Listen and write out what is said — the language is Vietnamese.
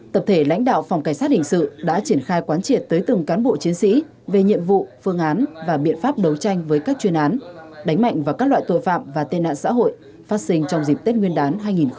tập thể lãnh đạo phòng cảnh sát hình sự đã triển khai quán triệt tới từng cán bộ chiến sĩ về nhiệm vụ phương án và biện pháp đấu tranh với các chuyên án đánh mạnh vào các loại tội phạm và tên nạn xã hội phát sinh trong dịp tết nguyên đán hai nghìn hai mươi bốn